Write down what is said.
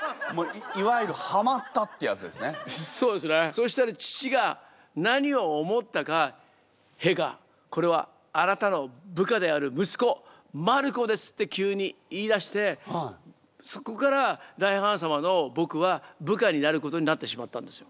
そしたら父が何を思ったか「陛下これはあなたの部下である息子マルコです」って急に言いだしてそこから大ハーン様の僕は部下になることになってしまったんですよ。